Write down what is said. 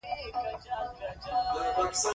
کښتۍ د ډبرین دیوال په خوا کې جل واهه.